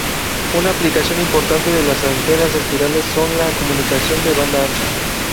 Una aplicación importante de las antenas espirales son las comunicaciones de banda ancha.